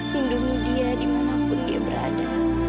lindungi dia dimanapun dia berada